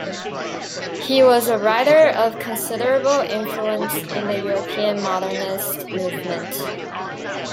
He was a writer of considerable influence in the European modernist movement.